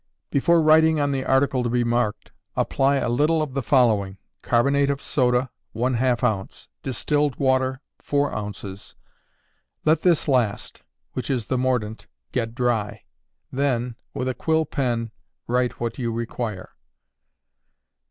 Before writing on the article to be marked, apply a little of the following: carbonate of soda, one half ounce; distilled water, four ounces; let this last, which is the mordant, get dry; then, with a quill pen, write what you require.